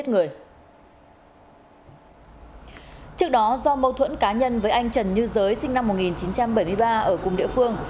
trước đó do mâu thuẫn cá nhân với anh trần như giới sinh năm một nghìn chín trăm bảy mươi ba ở cùng địa phương